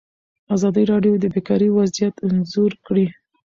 ازادي راډیو د بیکاري وضعیت انځور کړی.